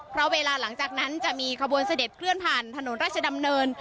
เพราะเวลาหลังจากนั้นจะมีขบวนเสด็จเคลื่อนผ่านถนนราชดำเนิน